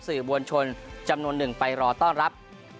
สื่อมวลชนจำนวนหนึ่งไปรอต้อนรับ